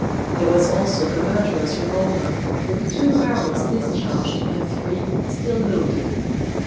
There was also the murderer's revolver, with two barrels discharged and three still loaded.